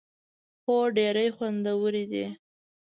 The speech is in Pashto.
هو، ډیری خوندورې دي